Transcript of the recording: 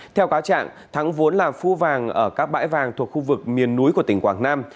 theo cáo trạng thắng vốn là phu vàng ở các bãi vàng thuộc khu vực miền núi của tỉnh quảng nam